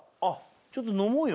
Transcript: ちょっと飲もうよ。